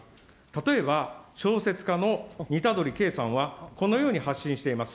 例えば、小説家のにたどりけいさんは、このように発信しています。